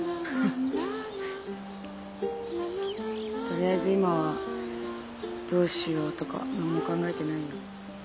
とりあえず今はどうしようとか何も考えてないよ。